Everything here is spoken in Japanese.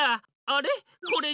あれ？